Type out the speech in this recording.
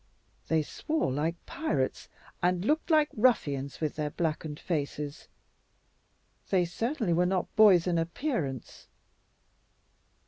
They swore like pirates, and looked like ruffians with their blackened faces. They certainly were not boys in appearance."